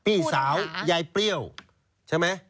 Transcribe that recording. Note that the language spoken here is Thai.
พี่สาวยายเปรี้ยวใช่ไหม